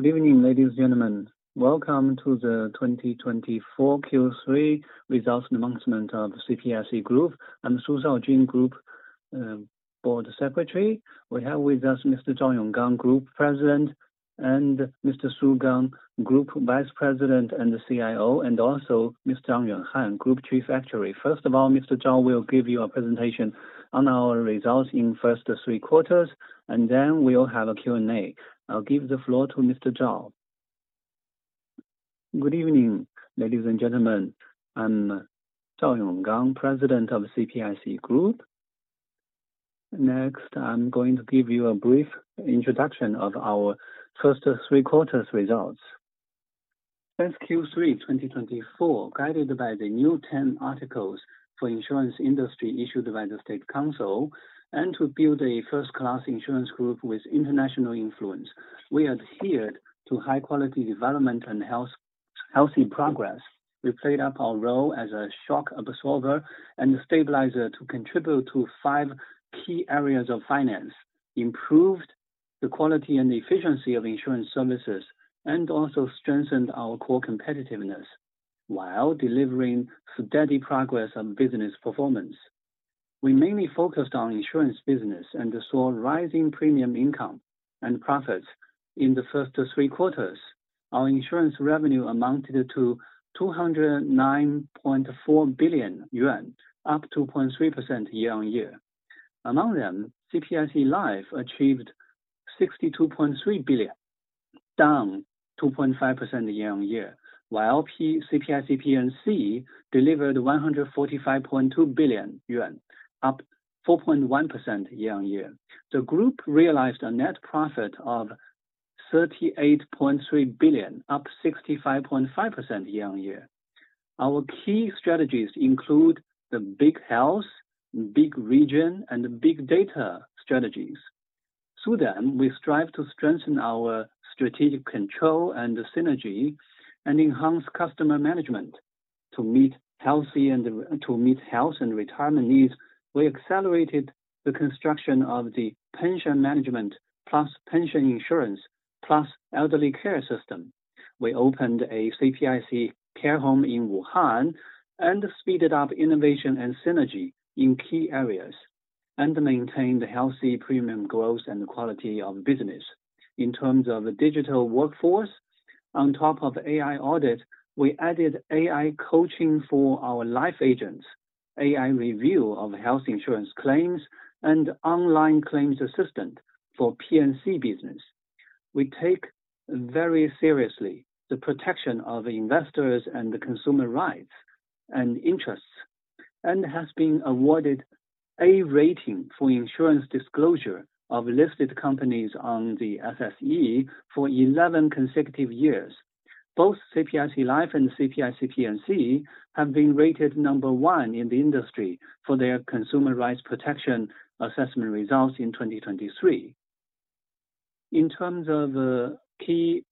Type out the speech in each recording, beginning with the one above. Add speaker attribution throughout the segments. Speaker 1: Good evening, ladies and gentlemen. Welcome to the 2024 Q3 Results Announcement of CPIC Group. I'm Su Shaojun, Group Board Secretary. We have with us Mr. Zhao Yonggang, Group President, and Mr. Su Gang, Group Vice President and CIO, and also Mr. Zhang Yuanhan, Group Chief Actuary. First of all, Mr. Zhao will give you a presentation on our results in the first three quarters, and then we'll have a Q&A. I'll give the floor to Mr. Zhao.
Speaker 2: Good evening, ladies and gentlemen. I'm Zhao Yonggang, President of CPIC Group. Next, I'm going to give you a brief introduction of our first three quarters results. Since Q3 2024, guided by the New Ten Articles for insurance industry issued by the State Council, and to build a first-class insurance group with international influence, we adhered to high-quality development and healthy progress. We played up our role as a shock absorber and a stabilizer to contribute to five key areas of finance, improved the quality and efficiency of insurance services, and also strengthened our core competitiveness while delivering steady progress on business performance. We mainly focused on insurance business and saw rising premium income and profits. In the first three quarters, our insurance revenue amounted to 209.4 billion yuan, up 2.3% year-on-year. Among them, CPIC Life achieved 62.3 billion, down 2.5% year-on-year, while CPIC P&C delivered 145.2 billion yuan, up 4.1% year-on-year. The group realized a net profit of 38.3 billion, up 65.5% year-on-year. Our key strategies include the big health, big region, and big data strategies. Through them, we strive to strengthen our strategic control and synergy and enhance customer management. To meet health and retirement needs, we accelerated the construction of the pension management plus pension insurance plus elderly care system. We opened a CPIC care home in Wuhan and speeded up innovation and synergy in key areas and maintained healthy premium growth and quality of business. In terms of digital workforce, on top of AI audit, we added AI coaching for our life agents, AI review of health insurance claims, and online claims assistant for P&C business. We take very seriously the protection of investors and consumer rights and interests and have been awarded A rating for insurance disclosure of listed companies on the SSE for 11 consecutive years. Both CPIC Life and CPIC P&C have been rated number one in the industry for their consumer rights protection assessment results in 2023. In terms of key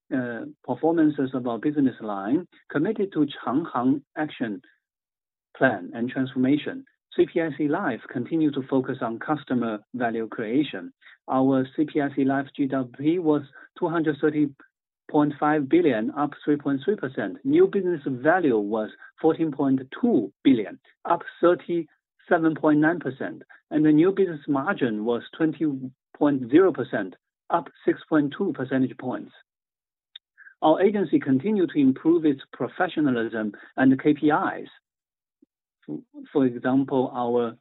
Speaker 2: performances of our business line, committed to Changhang Action Plan and transformation, CPIC Life continues to focus on customer value creation. Our CPIC Life GWP was 230.5 billion, up 3.3%. New business value was 14.2 billion, up 37.9%, and the new business margin was 20.0%, up 6.2 percentage points. Our agency continues to improve its professionalism and KPIs. For example, our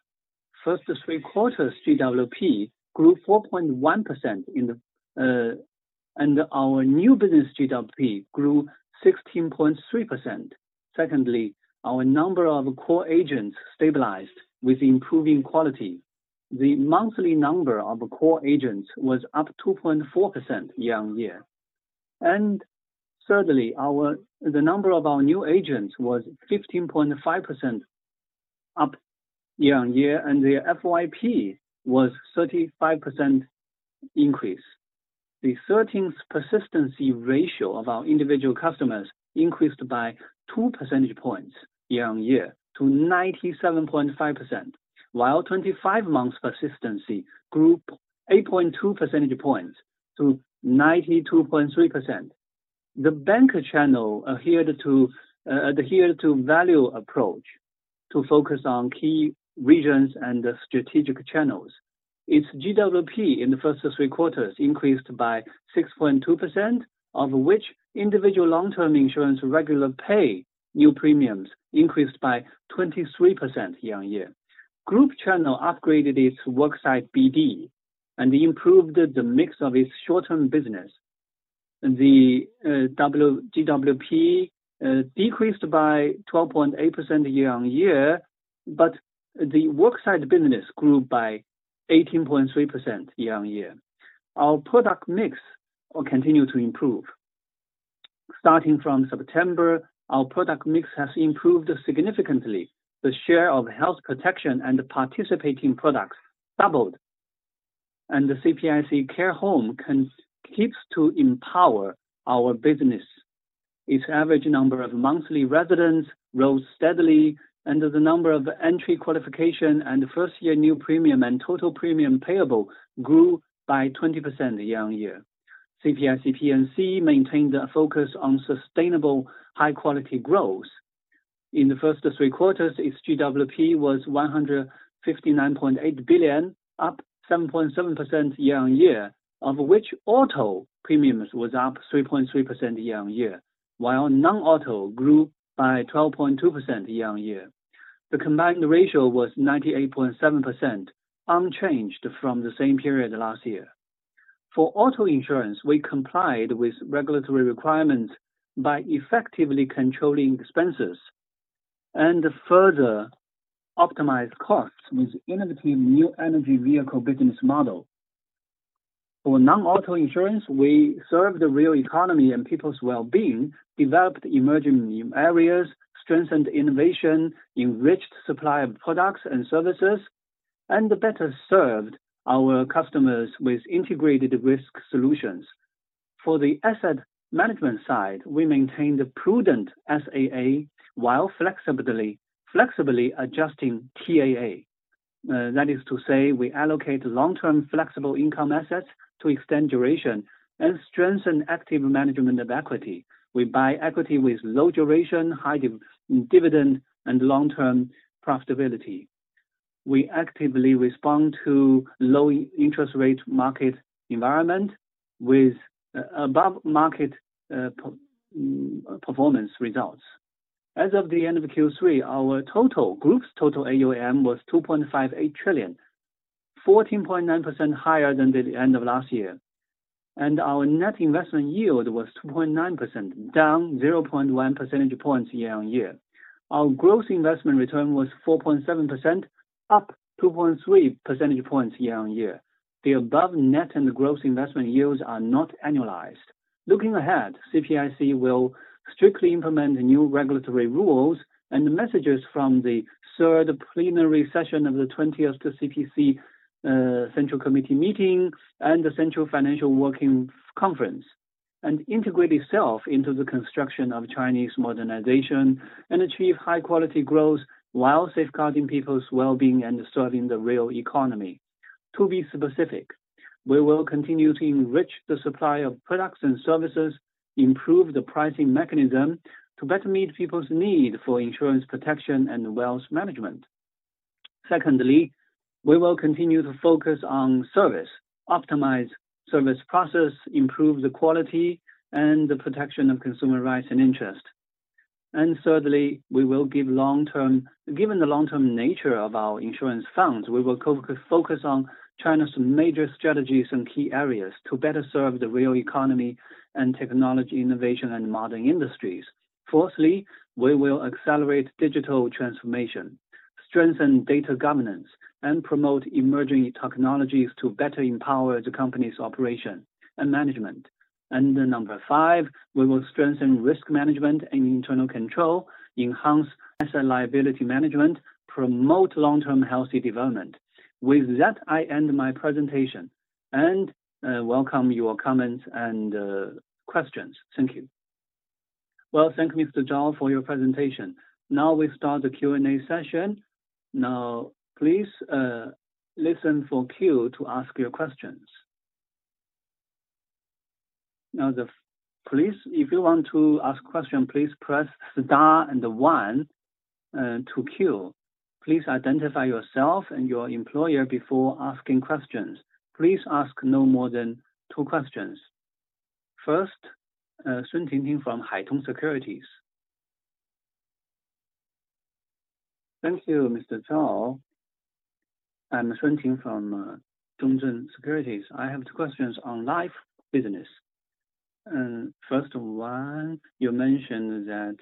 Speaker 2: first three quarters GWP grew 4.1%, and our new business GWP grew 16.3%. Secondly, our number of core agents stabilized with improving quality. The monthly number of core agents was up 2.4% year-on-year. And thirdly, the number of our new agents was 15.5% up year-on-year, and the FYP was 35% increase. The 13th persistency ratio of our individual customers increased by 2 percentage points year-on-year to 97.5%, while 25 months' persistency grew 8.2 percentage points to 92.3%. The bank channel adhered to value approach to focus on key regions and strategic channels. Its GWP in the first three quarters increased by 6.2%, of which individual long-term insurance regular pay new premiums increased by 23% year-on-year. Group channel upgraded its worksite BD and improved the mix of its short-term business. The GWP decreased by 12.8% year-on-year, but the worksite business grew by 18.3% year-on-year. Our product mix continues to improve. Starting from September, our product mix has improved significantly. The share of health protection and participating products doubled, and the CPIC Care Home keeps to empower our business. Its average number of monthly residents rose steadily, and the number of entry qualifications and first-year new premium and total premium payable grew by 20% year-on-year. CPIC P&C maintained a focus on sustainable high-quality growth. In the first three quarters, its GWP was 159.8 billion, up 7.7% year-on-year, of which auto premiums were up 3.3% year-on-year, while non-auto grew by 12.2% year-on-year. The combined ratio was 98.7%, unchanged from the same period last year. For auto insurance, we complied with regulatory requirements by effectively controlling expenses and further optimized costs with innovative new energy vehicle business model. For non-auto insurance, we served the real economy and people's well-being, developed emerging new areas, strengthened innovation, enriched the supply of products and services, and better served our customers with integrated risk solutions. For the asset management side, we maintained a prudent SAA while flexibly adjusting TAA. That is to say, we allocate long-term flexible income assets to extend duration and strengthen active management of equity. We buy equity with low duration, high dividend, and long-term profitability. We actively respond to low interest rate market environment with above-market performance results. As of the end of Q3, our group's total AUM was 2.58 trillion, 14.9% higher than the end of last year, and our net investment yield was 2.9%, down 0.1 percentage points year-on-year. Our gross investment return was 4.7%, up 2.3 percentage points year-on-year. The above net and gross investment yields are not annualized. Looking ahead, CPIC will strictly implement new regulatory rules and messages from the third plenary session of the 20th CPC Central Committee meeting and the Central Financial Working Conference and integrate itself into the construction of Chinese modernization and achieve high-quality growth while safeguarding people's well-being and serving the real economy. To be specific, we will continue to enrich the supply of products and services, improve the pricing mechanism to better meet people's need for insurance protection and wealth management. Secondly, we will continue to focus on service, optimize service process, improve the quality, and the protection of consumer rights and interest. And thirdly, given the long-term nature of our insurance funds, we will focus on China's major strategies and key areas to better serve the real economy, technology innovation, and modern industries. Fourthly, we will accelerate digital transformation, strengthen data governance, and promote emerging technologies to better empower the company's operation and management. And number five, we will strengthen risk management and internal control, enhance asset liability management, and promote long-term healthy development. With that, I end my presentation and welcome your comments and questions. Thank you.
Speaker 3: Well, thank Mr. Zhao for your presentation. Now we start the Q&A session. Now, please listen for queue to ask your questions. Now, please, if you want to ask a question, please press the star and the one to queue. Please identify yourself and your employer before asking questions. Please ask no more than two questions. First, Sun Ting from Haitong Securities.
Speaker 4: Thank you, Mr. Zhao. I'm Sun Ting from Haitong Securities. I have two questions on life business. First of all, you mentioned that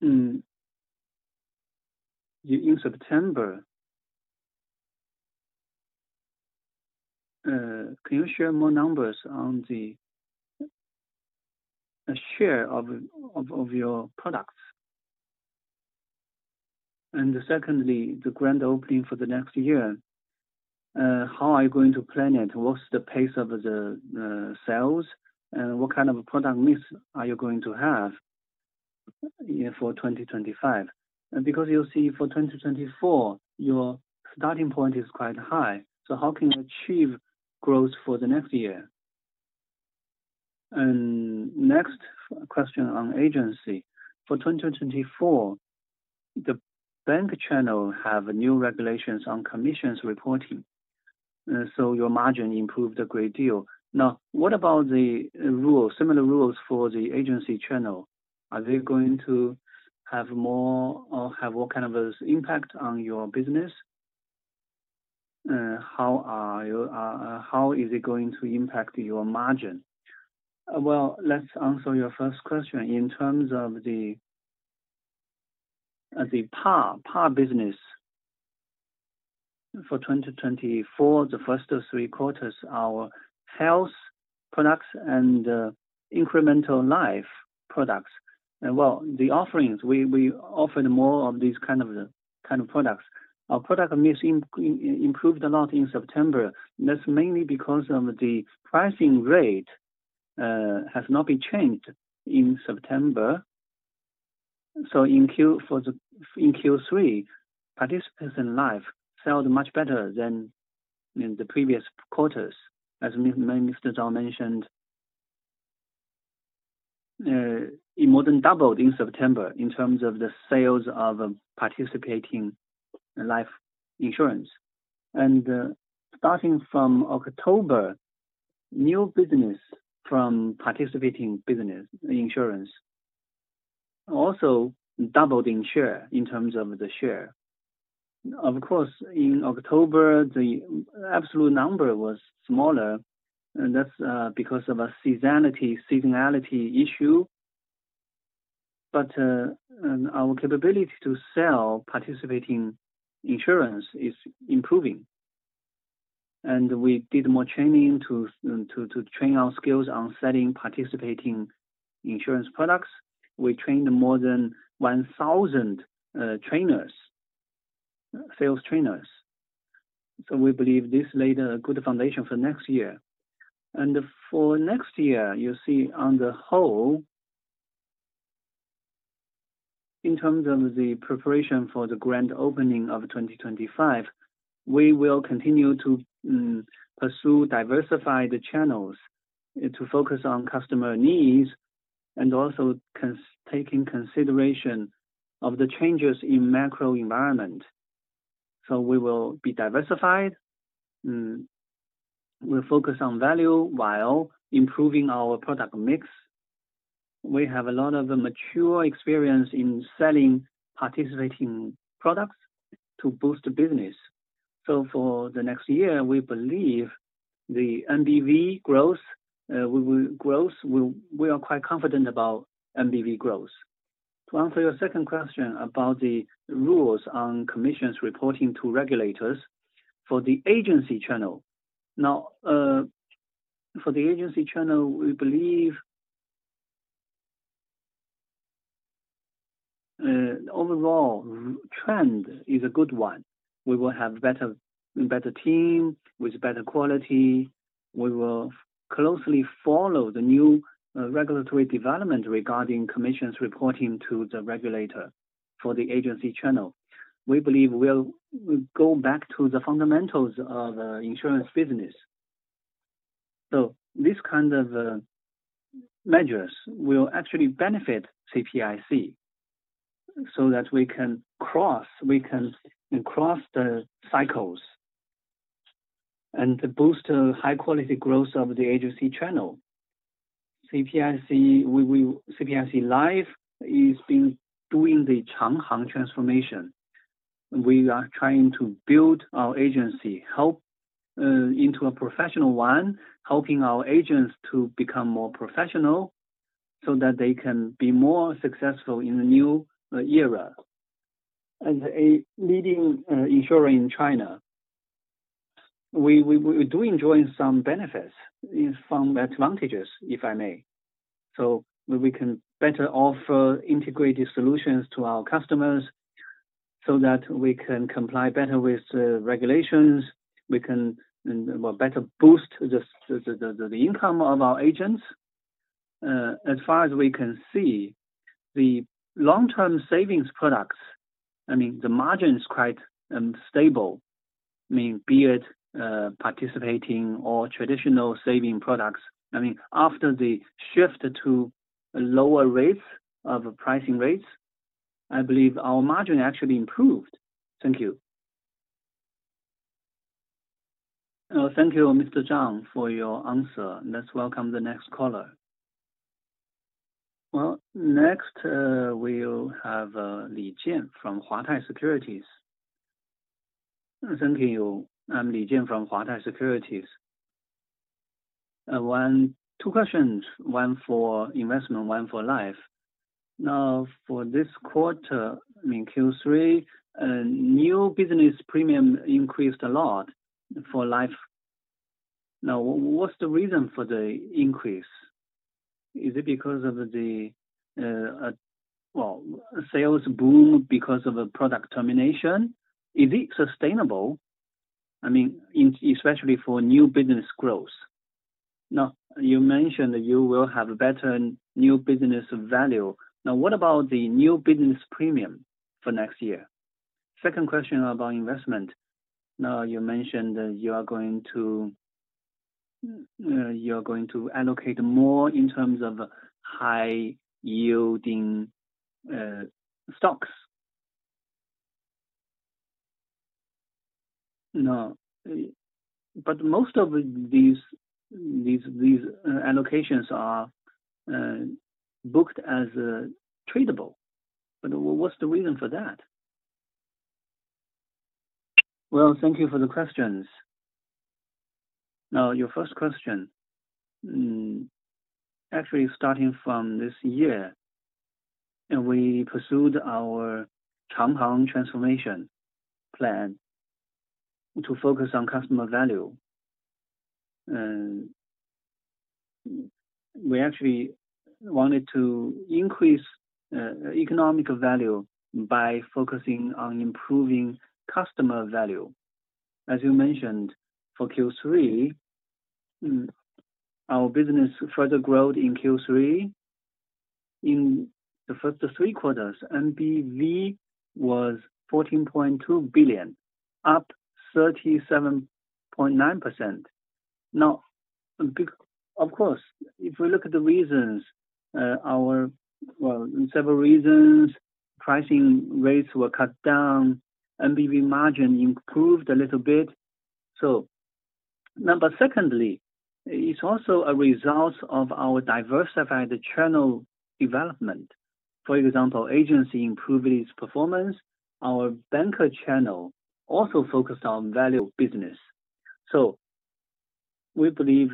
Speaker 4: in September, can you share more numbers on the share of your products? And secondly, the grand opening for the next year, how are you going to plan it? What's the pace of the sales? And what kind of product mix are you going to have for 2025? Because you'll see for 2024, your starting point is quite high. So how can you achieve growth for the next year? And next question on agency. For 2024, the bank channel has new regulations on commissions reporting. So your margin improved a great deal. Now, what about the rules, similar rules for the agency channel? Are they going to have more or have what kind of impact on your business? How is it going to impact your margin?
Speaker 1: Well, let's answer your first question in terms of the par business. For 2024, the first three quarters, our health products and individual life products. Well, the offerings, we offered more of these kind of products. Our product mix improved a lot in September. That's mainly because the pricing rate has not been changed in September. So in Q3, participating life sell much better than in the previous quarters. As Mr. Zhao mentioned, it more than doubled in September in terms of the sales of participating life insurance. And starting from October, new business from participating insurance also doubled in share in terms of the share. Of course, in October, the absolute number was smaller. That's because of a seasonality issue, but our capability to sell participating insurance is improving, and we did more training to train our skills on selling participating insurance products. We trained more than 1,000 sales trainers, so we believe this laid a good foundation for next year, and for next year, you'll see on the whole, in terms of the preparation for the grand opening of 2025, we will continue to pursue diversified channels to focus on customer needs and also take into consideration the changes in macro environment. So we will be diversified. We'll focus on value while improving our product mix. We have a lot of mature experience in selling participating products to boost the business, so for the next year, we believe the NBV growth. We are quite confident about NBV growth. To answer your second question about the rules on commissions reporting to regulators for the agency channel. Now, for the agency channel, we believe the overall trend is a good one. We will have a better team with better quality. We will closely follow the new regulatory development regarding commissions reporting to the regulator for the agency channel. We believe we'll go back to the fundamentals of insurance business. So these kinds of measures will actually benefit CPIC so that we can cross the cycles and boost high-quality growth of the agency channel. CPIC Life is doing the Changhang transformation. We are trying to build our agency help into a professional one, helping our agents to become more professional so that they can be more successful in the new era. And leading insurer in China, we're doing some benefits from advantages, if I may. So we can better offer integrated solutions to our customers so that we can comply better with regulations. We can better boost the income of our agents. As far as we can see, the long-term savings products, I mean, the margin is quite stable. I mean, be it participating or traditional saving products. I mean, after the shift to lower rates of pricing rates, I believe our margin actually improved.
Speaker 4: Thank you.
Speaker 3: Thank you, Mr. Zhang, for your answer. Let's welcome the next caller. Well, next, we have Li Jian from Huatai Securities.
Speaker 5: Thank you. I'm Li Jian from Huatai Securities. Two questions. One for investment, one for life. Now, for this quarter, I mean, Q3, new business premium increased a lot for life. Now, what's the reason for the increase? Is it because of the, well, sales boom because of product termination? Is it sustainable? I mean, especially for new business growth. Now, you mentioned you will have better new business value. Now, what about the new business premium for next year? Second question about investment. Now, you mentioned you are going to allocate more in terms of high-yielding stocks. But most of these allocations are booked as tradable. But what's the reason for that?
Speaker 1: Well, thank you for the questions. Now, your first question, actually starting from this year, we pursued our Changhang transformation plan to focus on customer value. We actually wanted to increase economic value by focusing on improving customer value. As you mentioned, for Q3, our business further growth in Q3. In the first three quarters, NBV was CNY 14.2 billion, up 37.9%. Now, of course, if we look at the reasons, several reasons, pricing rates were cut down, NBV margin improved a little bit. So number secondly, it's also a result of our diversified channel development. For example, agency improved its performance. Our banker channel also focused on value business. So we believe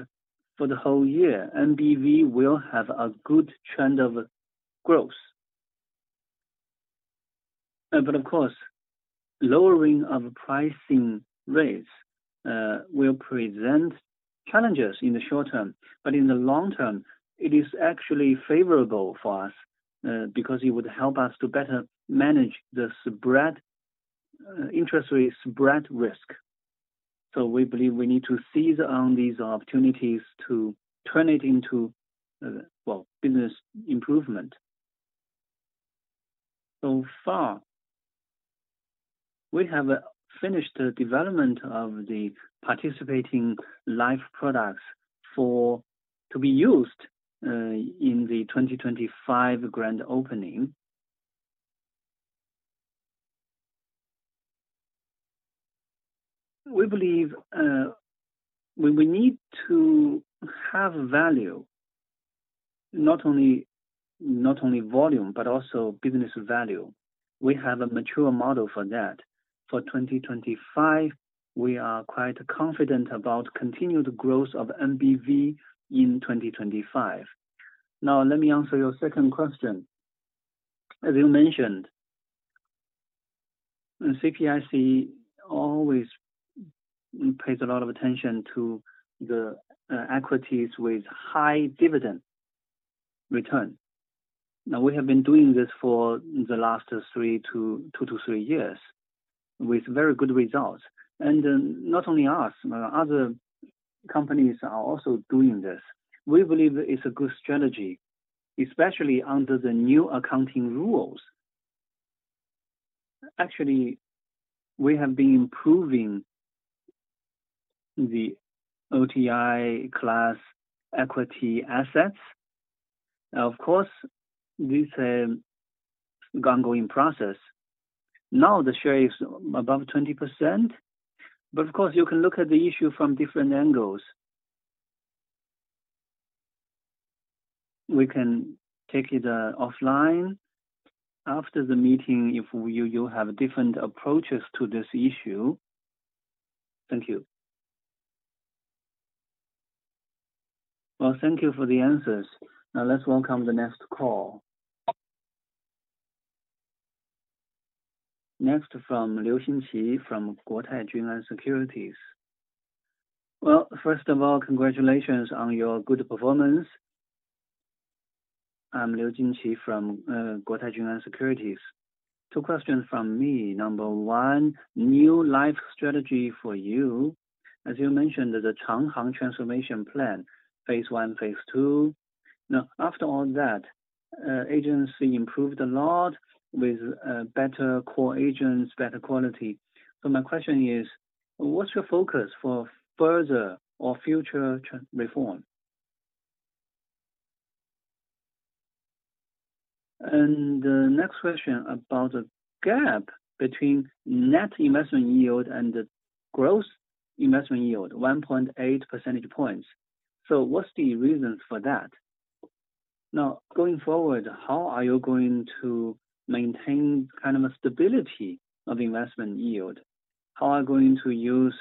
Speaker 1: for the whole year, NBV will have a good trend of growth. But of course, lowering of pricing rates will present challenges in the short term. But in the long term, it is actually favorable for us because it would help us to better manage the interest rate spread risk. So we believe we need to seize on these opportunities to turn it into, well, business improvement. So far, we have finished the development of the participating life products to be used in the 2025 grand opening. We believe we need to have value, not only volume, but also business value. We have a mature model for that. For 2025, we are quite confident about continued growth of NBV in 2025. Now, let me answer your second question. As you mentioned, CPIC always pays a lot of attention to the equities with high dividend return. Now, we have been doing this for the last two to three years with very good results, and not only us, other companies are also doing this. We believe it's a good strategy, especially under the new accounting rules. Actually, we have been improving the OCI class equity assets. Of course, this is an ongoing process. Now, the share is above 20%. But of course, you can look at the issue from different angles. We can take it offline. After the meeting, you'll have different approaches to this issue.
Speaker 5: Thank you.
Speaker 3: Well, thank you for the answers. Now, let's welcome the next call. Next from Liu Xinqi from Guotai Junan Securities.
Speaker 6: Well, first of all, congratulations on your good performance. I'm Liu Xinqi from Guotai Junan Securities. Two questions from me. Number one, new life strategy for you. As you mentioned, the Changhang transformation plan, phase one, phase two. Now, after all that, agency improved a lot with better core agents, better quality. So my question is, what's your focus for further or future reform? And the next question about the gap between net investment yield and the gross investment yield, 1.8 percentage points. So what's the reason for that? Now, going forward, how are you going to maintain kind of a stability of investment yield? How are you going to use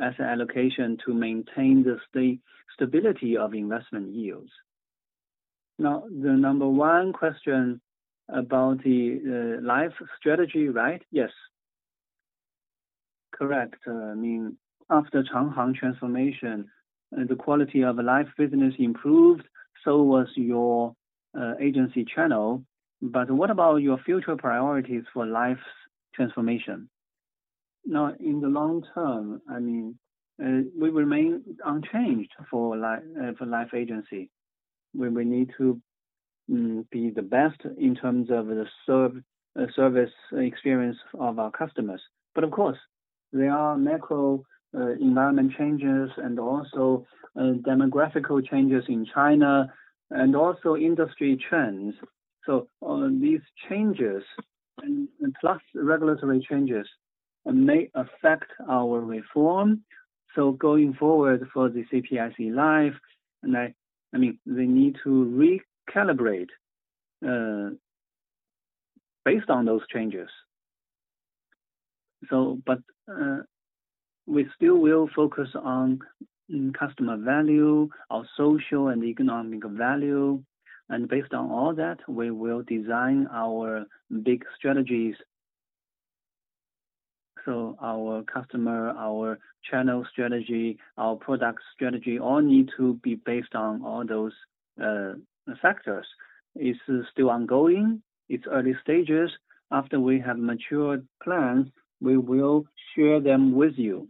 Speaker 6: asset allocation to maintain the stability of investment yields? Now, the number one question about the life strategy, right?
Speaker 1: Yes.
Speaker 6: Correct. I mean, after Changhang transformation, the quality of life business improved. So was your agency channel. But what about your future priorities for life transformation?
Speaker 7: Now, in the long term, I mean, we remain unchanged for life agency. We need to be the best in terms of the service experience of our customers. But of course, there are macro environment changes and also demographic changes in China and also industry trends. So these changes and plus regulatory changes may affect our reform. So going forward for the CPIC Life, I mean, we need to recalibrate based on those changes. But we still will focus on customer value, our social and economic value. And based on all that, we will design our big strategies. So our customer, our channel strategy, our product strategy all need to be based on all those factors. It's still ongoing. It's early stages. After we have mature plans, we will share them with you.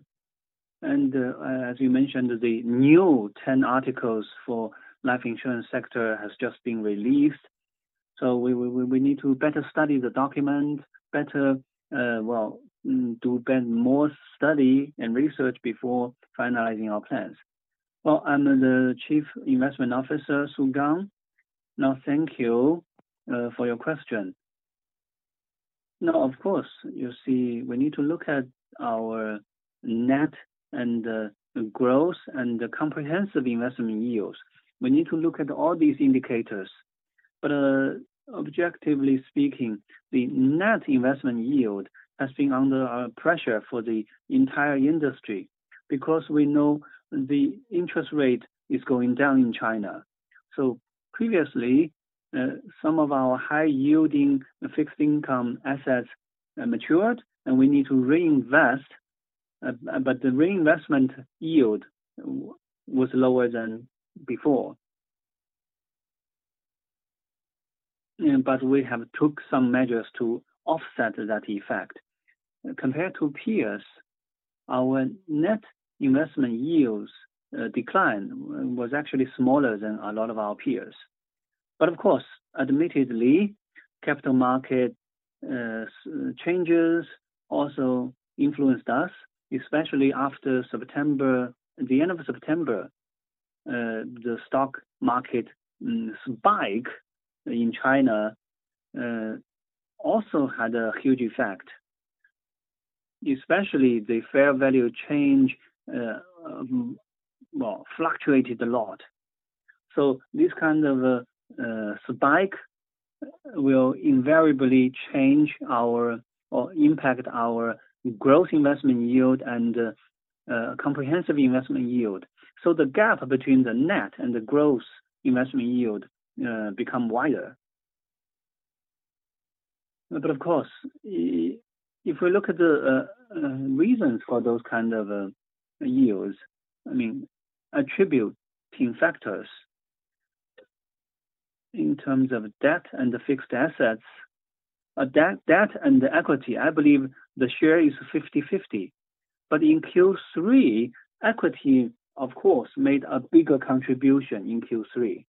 Speaker 7: And as you mentioned, the New Ten Articles for life insurance sector has just been released. So we need to better study the document, well, do more study and research before finalizing our plans. Well, I'm the Chief Investment Officer, Su Gang. Now, thank you for your question. Now, of course, you see, we need to look at our net and growth and comprehensive investment yields. We need to look at all these indicators. But objectively speaking, the net investment yield has been under pressure for the entire industry because we know the interest rate is going down in China. So previously, some of our high-yielding fixed income assets matured, and we need to reinvest. But the reinvestment yield was lower than before. But we have took some measures to offset that effect. Compared to peers, our net investment yields declined was actually smaller than a lot of our peers. But of course, admittedly, capital market changes also influenced us, especially after September. At the end of September, the stock market spike in China also had a huge effect, especially the fair value change, well, fluctuated a lot. So this kind of spike will invariably change our or impact our gross investment yield and comprehensive investment yield. So the gap between the net and the gross investment yield becomes wider. But of course, if we look at the reasons for those kinds of yields, I mean, attributable factors in terms of debt and fixed assets. Debt and equity, I believe the share is 50/50. But in Q3, equity, of course, made a bigger contribution in Q3.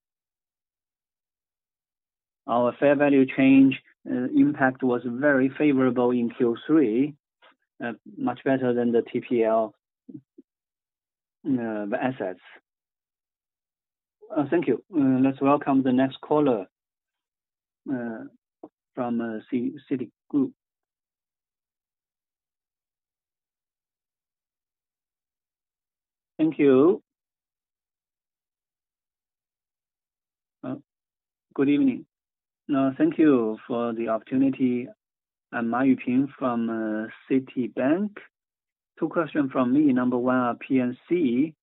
Speaker 7: Our fair value change impact was very favorable in Q3, much better than the TPL assets.
Speaker 6: Thank you.
Speaker 3: Let's welcome the next caller from Citigroup.
Speaker 8: Thank you. Good evening. Now, thank you for the opportunity. I'm Ma Yuqing from Citibank. Two questions from me. Number one, P&C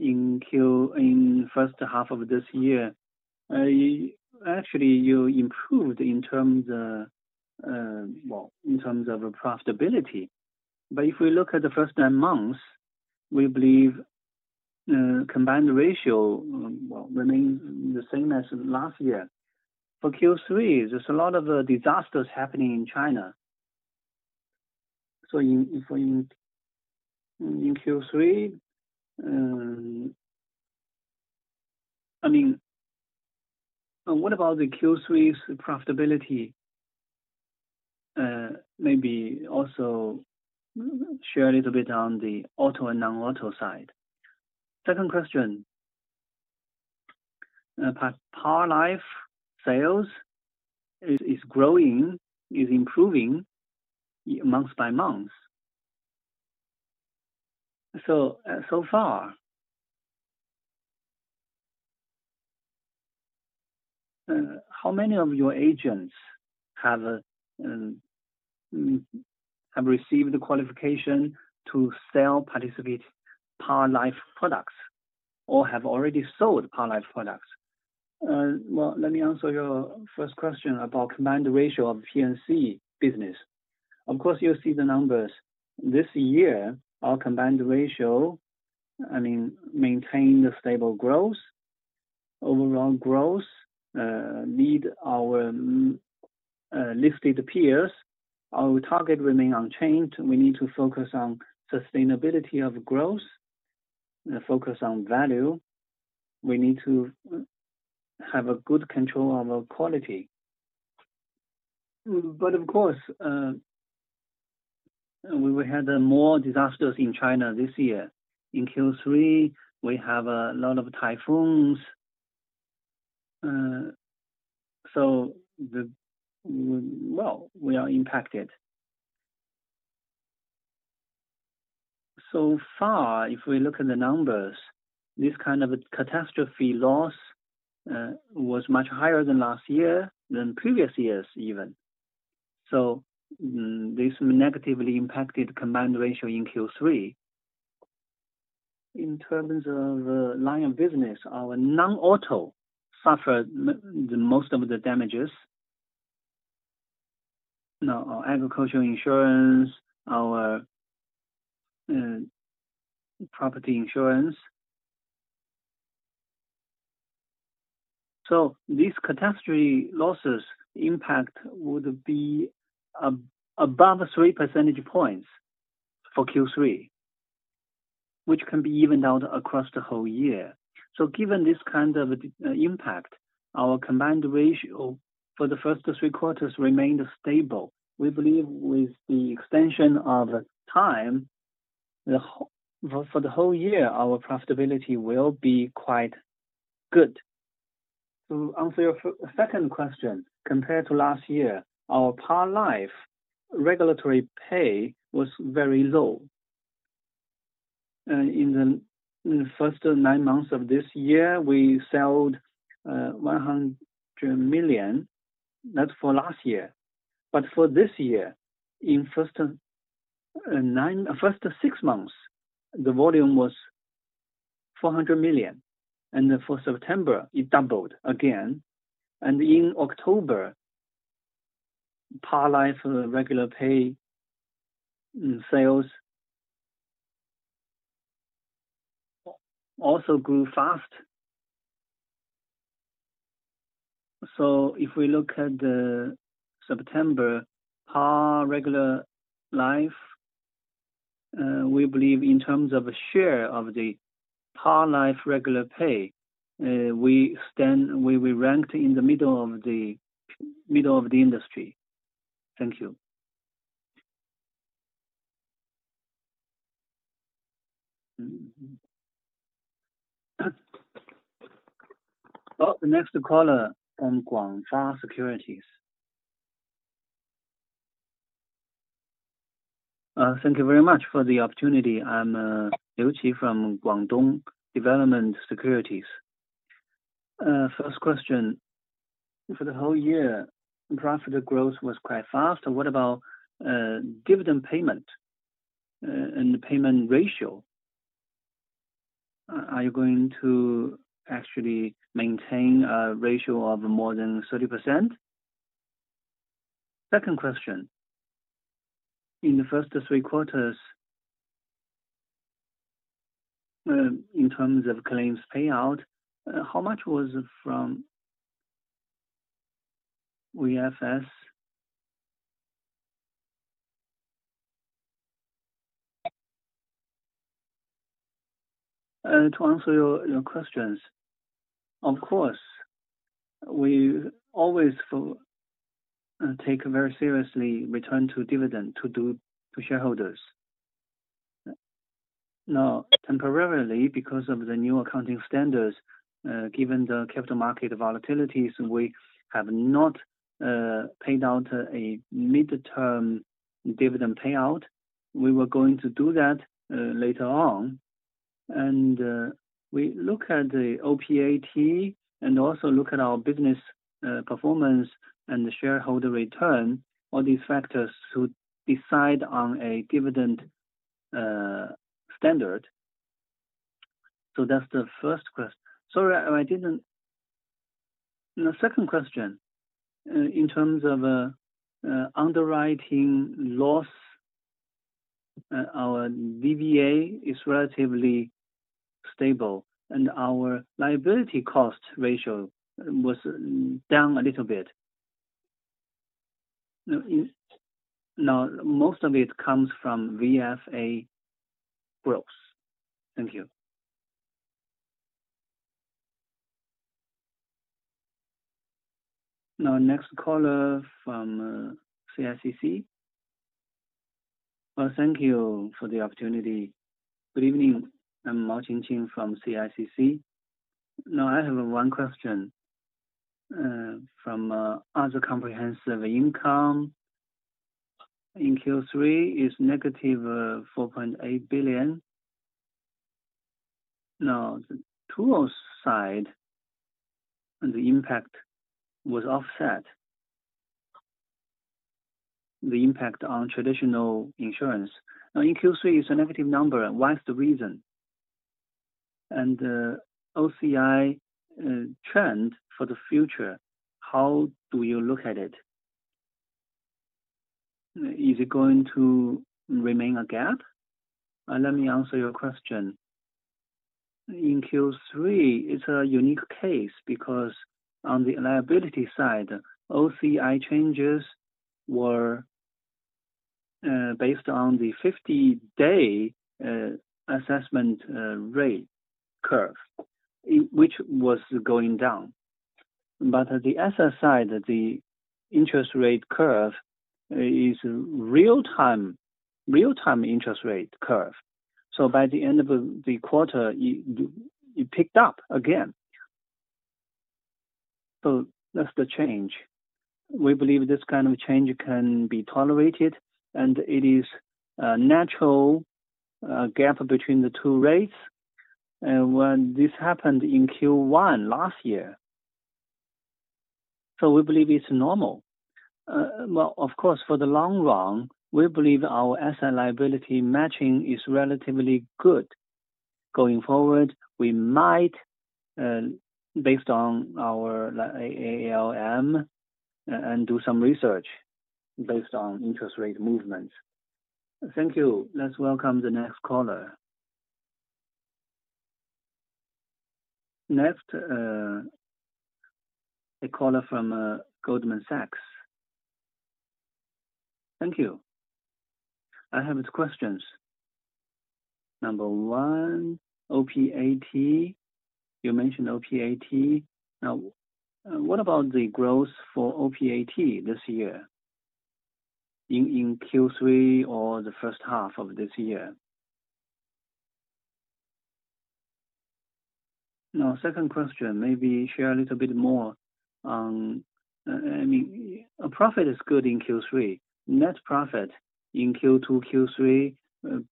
Speaker 8: in the first half of this year. Actually, you improved in terms of, well, in terms of profitability. But if we look at the first nine months, we believe combined ratio, well, remains the same as last year. For Q3, there's a lot of disasters happening in China. So in Q3, I mean, what about the Q3's profitability? Maybe also share a little bit on the auto and non-auto side. Second question. Participating life sales is growing, is improving month by month. So far, how many of your agents have received the qualification to sell participating life products or have already sold participating life products?
Speaker 1: Well, let me answer your first question about combined ratio of P&C business. Of course, you'll see the numbers. This year, our combined ratio, I mean, maintained a stable growth. Overall growth need our listed peers. Our target remains unchanged. We need to focus on sustainability of growth, focus on value. We need to have good control of our quality. But of course, we had more disasters in China this year. In Q3, we have a lot of typhoons. So, well, we are impacted. So far, if we look at the numbers, this kind of catastrophe loss was much higher than last year, than previous years even. So this negatively impacted combined ratio in Q3. In terms of line of business, our non-auto suffered most of the damages. Now, our agricultural insurance, our property insurance. So these catastrophe losses impact would be above 3 percentage points for Q3, which can be evened out across the whole year. So given this kind of impact, our combined ratio for the first three quarters remained stable. We believe with the extension of time, for the whole year, our profitability will be quite good. To answer your second question, compared to last year, our par life regular pay was very low. In the first nine months of this year, we sold CNY 100 million. That's for last year. But for this year, in first six months, the volume was 400 million. And for September, it doubled again. And in October, par life regular pay sales also grew fast. So if we look at September, par regular life, we believe in terms of share of the par life regular pay, we ranked in the middle of the industry.
Speaker 8: Thank you.
Speaker 3: Well, the next caller from Guangfa Securities.
Speaker 9: Thank you very much for the opportunity. I'm Liu Qi from Guangdong Development Securities. First question. For the whole year, profit growth was quite fast. What about dividend payment and the payment ratio? Are you going to actually maintain a ratio of more than 30%? Second question. In the first three quarters, in terms of claims payout, how much was from VFA?
Speaker 1: To answer your questions, of course, we always take very seriously return to dividend to shareholders. Now, temporarily, because of the new accounting standards, given the capital market volatilities, we have not paid out a midterm dividend payout. We were going to do that later on, and we look at the OPAT and also look at our business performance and shareholder return. All these factors should decide on a dividend standard. So that's the first question. Sorry, I didn't. The second question, in terms of underwriting loss, our DBA is relatively stable, and our liability cost ratio was down a little bit. Now, most of it comes from VFA growth.
Speaker 10: Thank you.
Speaker 3: Now, next caller from CICC. Thank you for the opportunity. Good evening. I'm Ma Jingqing from CICC.
Speaker 11: Now, I have one question from other comprehensive income. In Q3, it's -CNY 4.8 billion. Now, the TPL side and the impact was offset. The impact on traditional insurance. Now, in Q3, it's a negative number. What's the reason? And the OCI trend for the future, how do you look at it? Is it going to remain a gap?
Speaker 2: Let me answer your question. In Q3, it's a unique case because on the liability side, OCI changes were based on the 50-day assessment rate curve, which was going down. But on the asset side, the interest rate curve is a real-time interest rate curve. So by the end of the quarter, it picked up again. So that's the change. We believe this kind of change can be tolerated, and it is a natural gap between the two rates. When this happened in Q1 last year, so we believe it's normal. Of course, for the long run, we believe our asset liability matching is relatively good. Going forward, we might, based on our AALM, do some research based on interest rate movements.
Speaker 3: Thank you. Let's welcome the next caller. Next, a caller from Goldman Sachs.
Speaker 12: Thank you. I have two questions. Number one, OPAT. You mentioned OPAT. Now, what about the growth for OPAT this year in Q3 or the first half of this year? Now, second question, maybe share a little bit more on, I mean, profit is good in Q3. Net profit in Q2, Q3,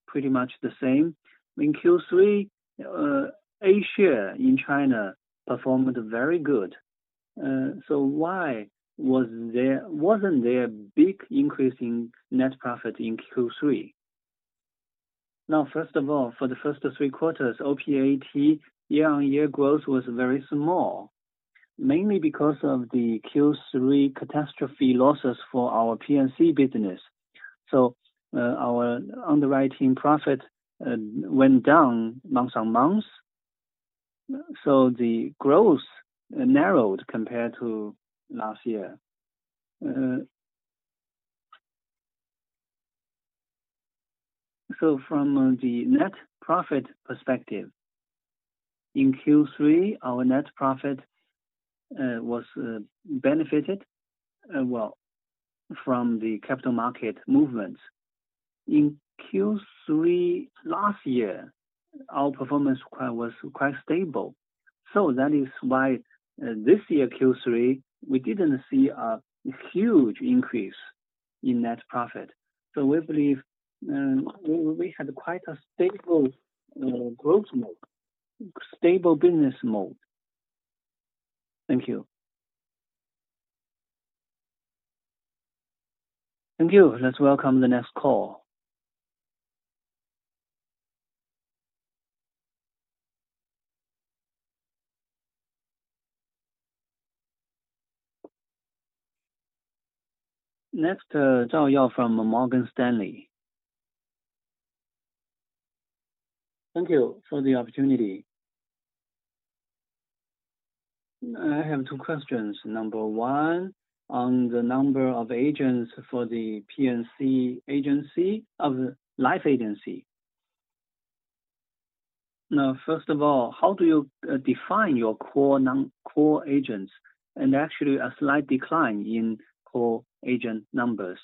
Speaker 12: pretty much the same. In Q3, A-share in China performed very good. So why wasn't there a big increase in net profit in Q3?
Speaker 1: Now, first of all, for the first three quarters, OPAT year-on-year growth was very small, mainly because of the Q3 catastrophe losses for our P&C business. So our underwriting profit went down month on month. So the growth narrowed compared to last year. So from the net profit perspective, in Q3, our net profit was benefited, well, from the capital market movements. In Q3 last year, our performance was quite stable. So that is why this year, Q3, we didn't see a huge increase in net profit. So we believe we had quite a stable growth mode, stable business mode. Thank you. Thank you. Let's welcome the next call. Next, Zhao Yao from Morgan Stanley. Thank you for the opportunity. I have two questions. Number one, on the number of agents for the P&C agency and life agency. Now, first of all, how do you define your core agents? Actually, a slight decline in core agent numbers.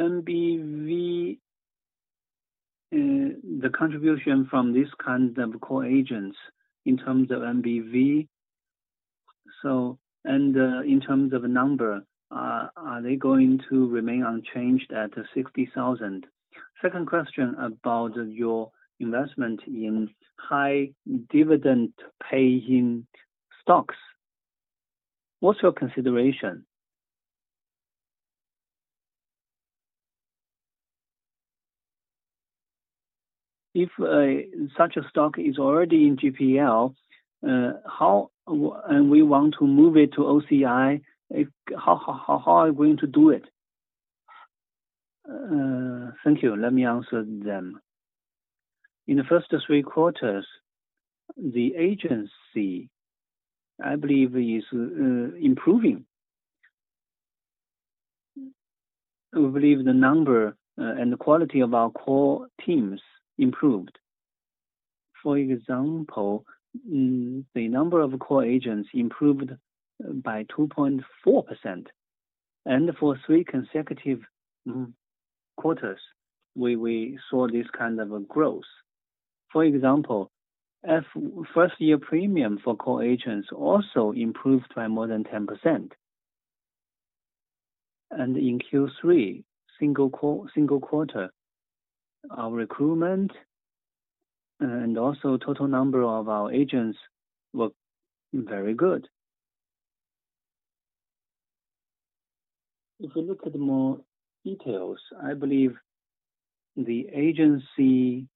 Speaker 1: NBV, the contribution from this kind of core agents in terms of NBV. In terms of number, are they going to remain unchanged at 60,000? Second question about your investment in high dividend paying stocks. What's your consideration? If such a stock is already in FVTPL and we want to move it to OCI, how are we going to do it? Thank you. Let me answer them. In the first three quarters, the agency, I believe, is improving. We believe the number and the quality of our core teams improved. For example, the number of core agents improved by 2.4%. For three consecutive quarters, we saw this kind of growth. For example, first-year premium for core agents also improved by more than 10%. In Q3, single quarter, our recruitment and also total number of our agents were very good. If we look at more details, I believe the agency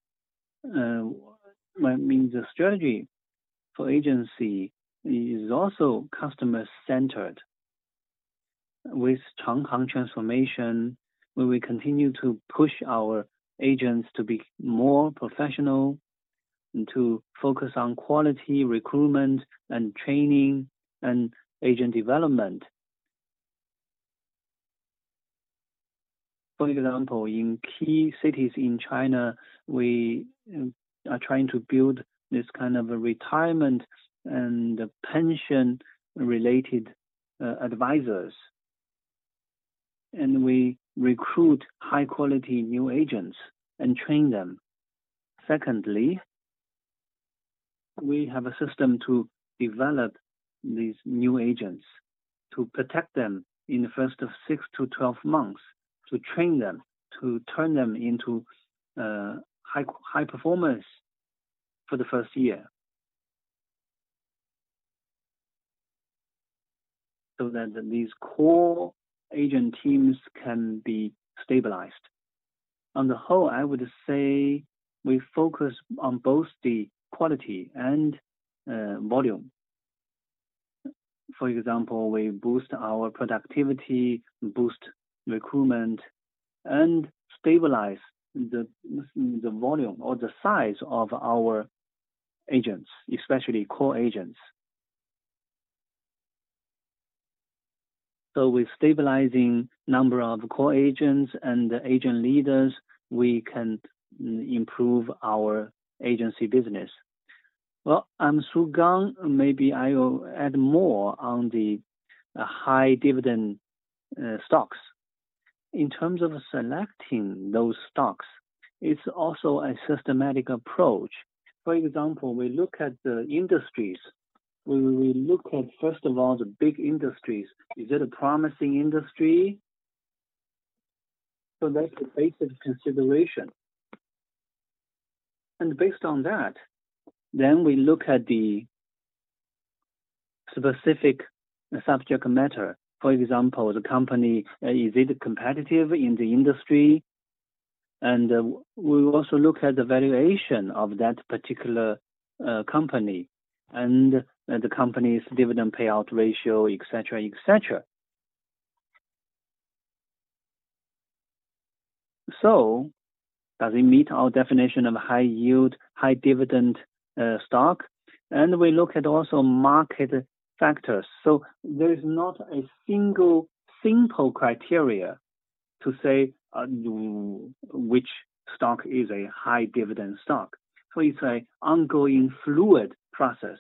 Speaker 1: means the strategy for agency is also customer-centered. With Changhang transformation, we will continue to push our agents to be more professional, to focus on quality recruitment and training and agent development. For example, in key cities in China, we are trying to build this kind of retirement and pension-related advisors. We recruit high-quality new agents and train them. Secondly, we have a system to develop these new agents to protect them in the first six to 12 months, to train them, to turn them into high performance for the first year. So that these core agent teams can be stabilized. On the whole, I would say we focus on both the quality and volume. For example, we boost our productivity, boost recruitment, and stabilize the volume or the size of our agents, especially core agents, so with stabilizing number of core agents and agent leaders, we can improve our agency business, well,
Speaker 7: I'm Su Gang. Maybe I will add more on the high dividend stocks. In terms of selecting those stocks, it's also a systematic approach. For example, we look at the industries. We look at, first of all, the big industries. Is it a promising industry, so that's the basic consideration, and based on that, then we look at the specific subject matter. For example, the company, is it competitive in the industry? And we also look at the valuation of that particular company and the company's dividend payout ratio, etc., etc., so does it meet our definition of high-yield, high-dividend stock, and we look at also market factors. So there is not a single simple criterion to say which stock is a high-dividend stock. So it's an ongoing fluid process.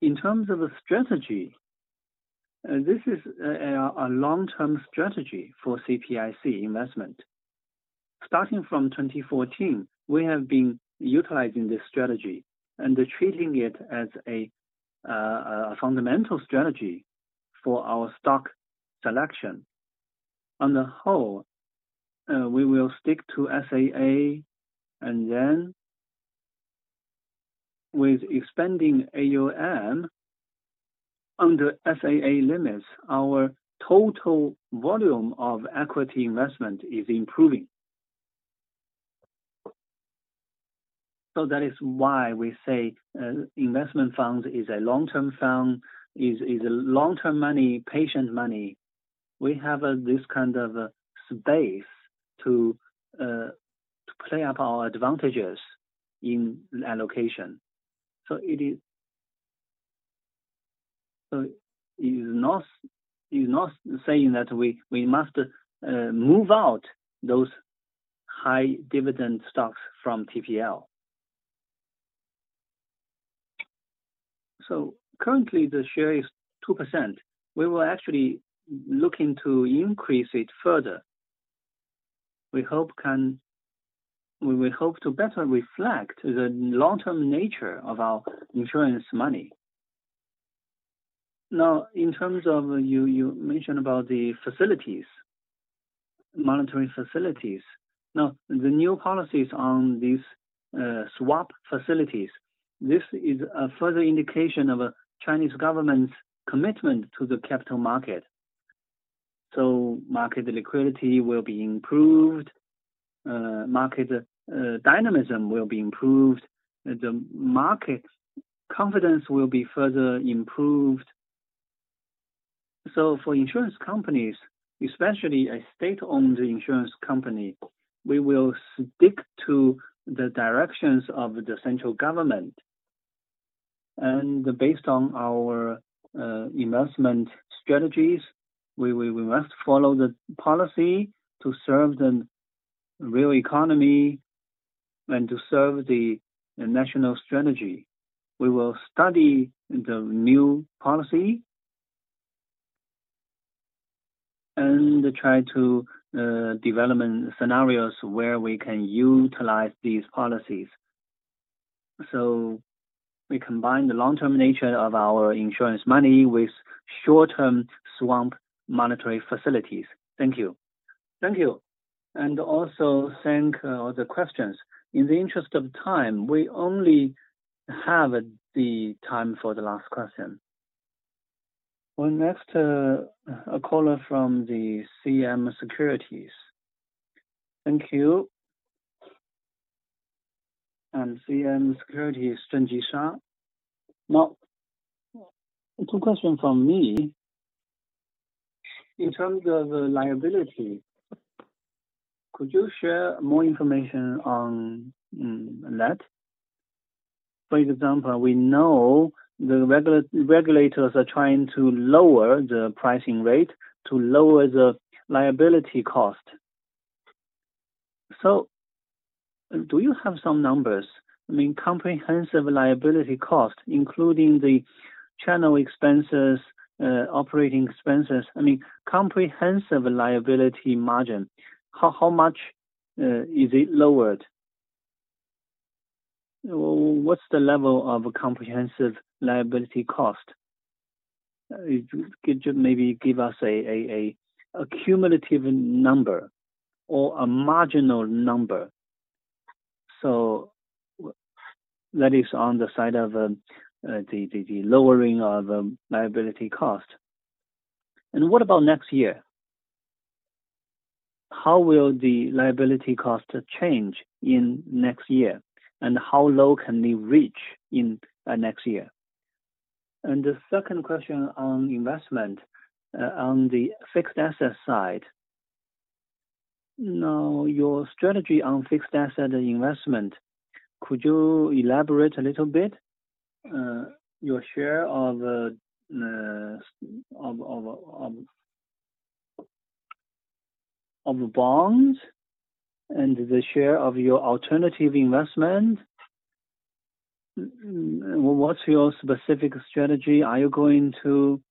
Speaker 7: In terms of the strategy, this is a long-term strategy for CPIC investment. Starting from 2014, we have been utilizing this strategy and treating it as a fundamental strategy for our stock selection. On the whole, we will stick to SAA. And then with expanding AUM under SAA limits, our total volume of equity investment is improving. So that is why we say investment funds is a long-term fund, is long-term money, patient money. We have this kind of space to play up our advantages in allocation. So it is not saying that we must move out those high-dividend stocks from TPL. So currently, the share is 2%. We were actually looking to increase it further. We hope to better reflect the long-term nature of our insurance money. Now, in terms of you mentioned about the facilities, monitoring facilities. Now, the new policies on these swap facilities. This is a further indication of the Chinese government's commitment to the capital market. So market liquidity will be improved. Market dynamism will be improved. The market confidence will be further improved. So for insurance companies, especially a state-owned insurance company, we will stick to the directions of the central government. And based on our investment strategies, we will must follow the policy to serve the real economy and to serve the national strategy. We will study the new policy and try to develop scenarios where we can utilize these policies. So we combine the long-term nature of our insurance money with short-term swap monetary facilities.
Speaker 12: Thank you.
Speaker 3: Thank you, and also thank all the questions. In the interest of time, we only have the time for the last question. Next, a caller from the CM Securities.
Speaker 13: Thank you. CM Securities, Zheng Jishang. Now, two questions from me. In terms of liability, could you share more information on that? For example, we know the regulators are trying to lower the pricing rate to lower the liability cost. Do you have some numbers? I mean, comprehensive liability cost, including the channel expenses, operating expenses. I mean, comprehensive liability margin. How much is it lowered? What's the level of comprehensive liability cost? Could you maybe give us a cumulative number or a marginal number? That is on the side of the lowering of liability cost. What about next year? How will the liability cost change in next year? How low can we reach in next year? The second question on investment, on the fixed asset side. Now, your strategy on fixed asset investment, could you elaborate a little bit? Your share of bonds and the share of your alternative investment? What's your specific strategy? Are you going to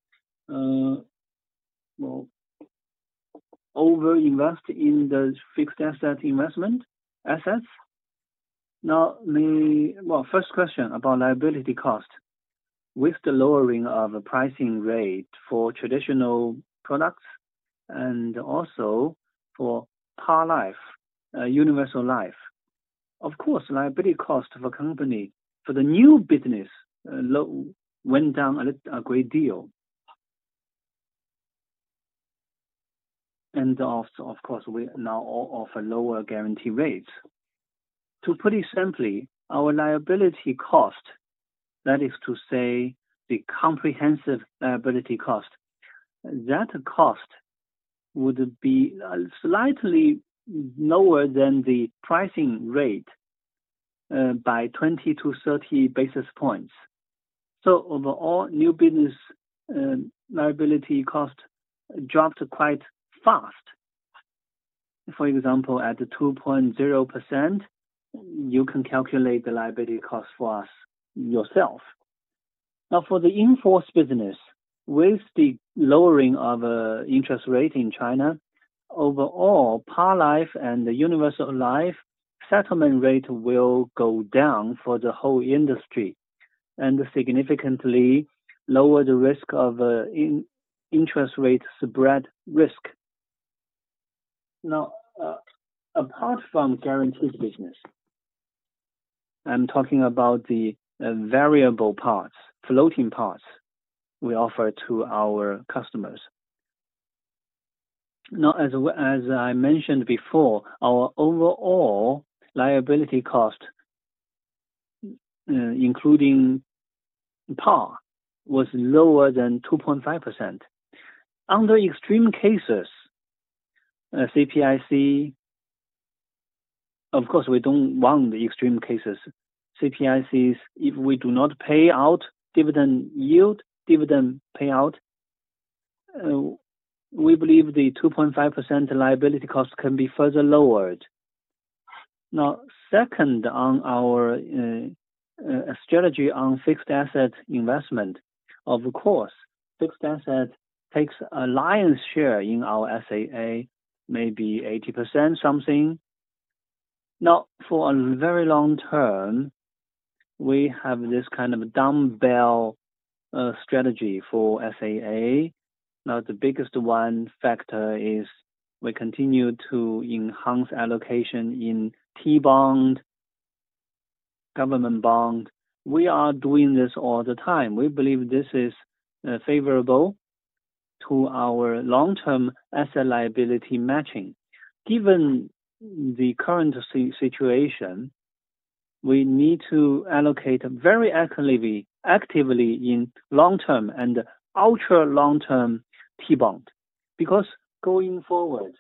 Speaker 13: over-invest in the fixed asset investment assets?
Speaker 1: Now, first question about liability cost. With the lowering of pricing rate for traditional products and also for universal life, of course, liability cost for the new business went down a great deal. And of course, we now offer lower guarantee rates. To put it simply, our liability cost, that is to say the comprehensive liability cost, that cost would be slightly lower than the pricing rate by 20-30 basis points. So overall, new business liability cost dropped quite fast. For example, at 2.0%, you can calculate the liability cost for us yourself. Now, for the in-force business, with the lowering of interest rate in China, overall, par life and the universal life settlement rate will go down for the whole industry and significantly lower the risk of interest rate spread risk. Now, apart from guaranteed business, I'm talking about the variable parts, floating parts we offer to our customers. Now, as I mentioned before, our overall liability cost, including par, was lower than 2.5%. Under extreme cases, CPIC, of course, we don't want the extreme cases. CPIC's, if we do not pay out dividend yield, dividend payout, we believe the 2.5% liability cost can be further lowered. Now, second on our strategy on fixed asset investment, of course, fixed asset takes a lion's share in our SAA, maybe 80% something. Now, for a very long term, we have this kind of dumbbell strategy for SAA. Now, the biggest one factor is we continue to enhance allocation in T-bond, government bond. We are doing this all the time. We believe this is favorable to our long-term asset liability matching. Given the current situation, we need to allocate very actively in long-term and ultra-long-term T-bond. Because going forward,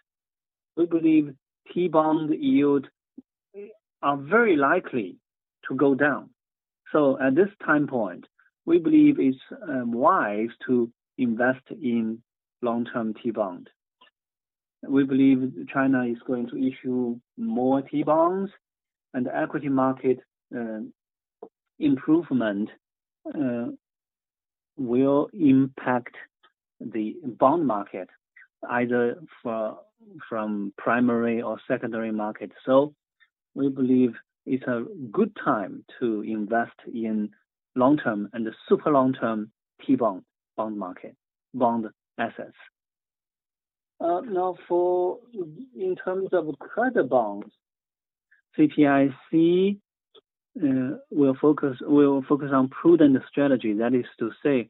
Speaker 1: we believe T-bond yields are very likely to go down. So at this time point, we believe it's wise to invest in long-term T-bond. We believe China is going to issue more T-bonds, and the equity market improvement will impact the bond market, either from primary or secondary market. So we believe it's a good time to invest in long-term and super long-term T-bond market, bond assets. Now, in terms of credit bonds, CPIC will focus on prudent strategy. That is to say,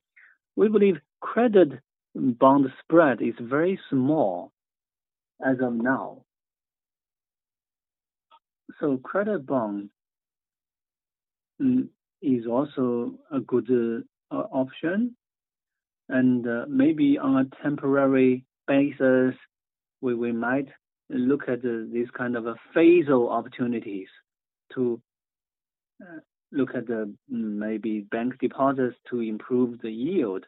Speaker 1: we believe credit bond spread is very small as of now. So credit bond is also a good option. And maybe on a temporary basis, we might look at these kind of phase opportunities to look at maybe bank deposits to improve the yield.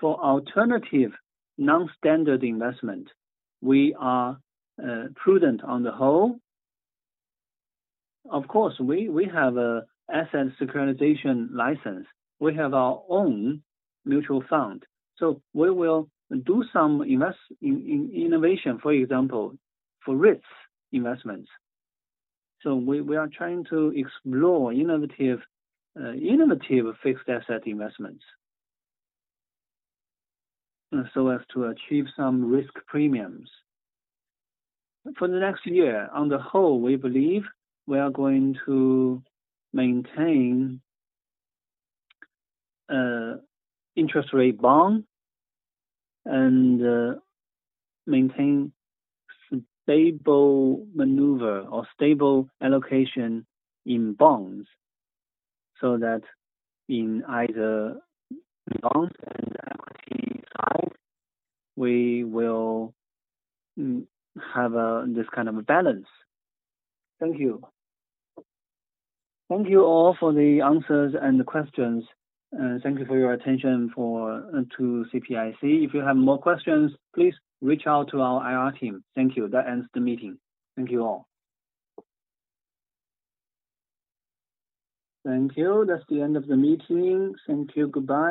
Speaker 1: For alternative non-standard investment, we are prudent on the whole. Of course, we have an asset securitization license. We have our own mutual fund. So we will do some innovation, for example, for REITs investments. So we are trying to explore innovative fixed asset investments so as to achieve some risk premiums. For the next year, on the whole, we believe we are going to maintain interest rate bond and maintain stable maneuver or stable allocation in bonds so that in either bond and equity side, we will have this kind of balance.
Speaker 13: Thank you.
Speaker 1: Thank you all for the answers and the questions. And thank you for your attention to CPIC. If you have more questions, please reach out to our IR team. Thank you. That ends the meeting. Thank you all.
Speaker 3: Thank you. That's the end of the meeting. Thank you. Goodbye.